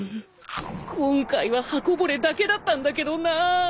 今回は刃こぼれだけだったんだけどなぁ。